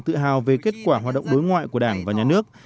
tự hào về kết quả hoạt động đối ngoại của đảng và nhà nước